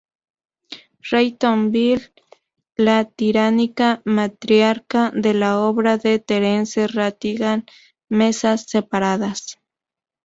Railton-Bell, la tiránica matriarca de la obra de Terence Rattigan "Mesas separadas".